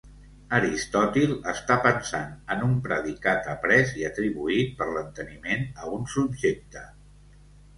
Aristòtil està pensant en un predicat après i atribuït per l'enteniment a un subjecte.